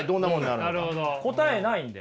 答えないんで。